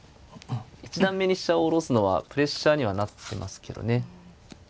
一段目に飛車を下ろすのはプレッシャーにはなってますけどね。